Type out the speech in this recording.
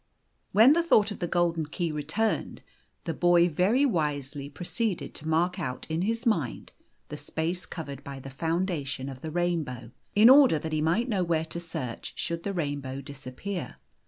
When the thought of the golden key returned, the boy very wisely proceeded to mark out in his mind the space covered by the foundation of the rainbow, in order that he mio ht know where to search, should O * i 76 The Golden Key tin rainbow disappear.